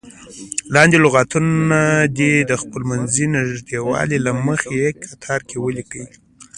لاندې لغتونه دې د خپلمنځي نږدېوالي له مخې په کتار کې ولیکئ.